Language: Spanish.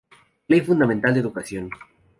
Ley Fundamental de Educación